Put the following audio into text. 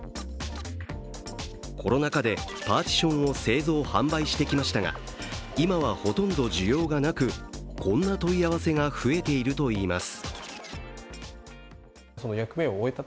コロナ禍でパーティションを製造販売してきましたが、今は、ほとんど需要がなくこんな問い合わせが増えているといいます。